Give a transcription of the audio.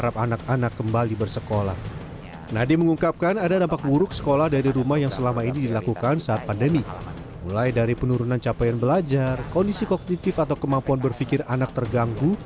penurunan capaian belajar kondisi kognitif atau kemampuan berpikir anak terganggu